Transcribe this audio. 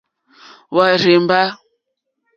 Hwá rzèmbá.